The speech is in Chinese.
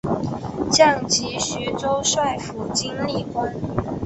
降级徐州帅府经历官。